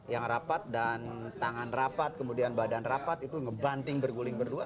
yang rapat dan tangan rapat kemudian badan rapat itu ngebanting berguling berdua